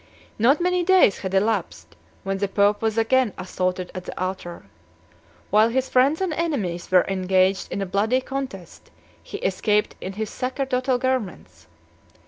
Not many days had elapsed, when the pope was again assaulted at the altar. While his friends and enemies were engaged in a bloody contest, he escaped in his sacerdotal garments.